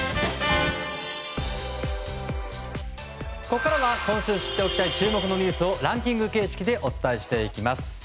ここからは今週知っておきたい注目ニュースランキング形式でお伝えしていきます。